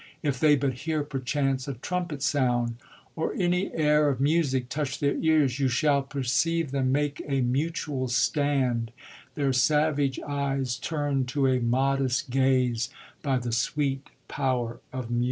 .• If they but hear perchance a trumpet sound, Or any air of music touch their ears, Tou shall perceive them make a mutual stand, Their savage eyes turned to a modest gaze By the sweot |>ower of music.